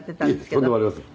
いえとんでもありません。